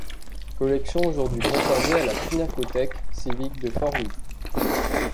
Collection aujourd'hui conservée à la Pinacothèque civique de Forlì.